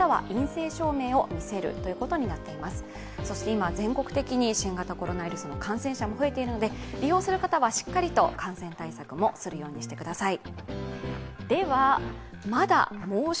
今、全国的に新型コロナウイルスの感染者も増えているので利用する方はしっかりと感染対策もするようにしてください。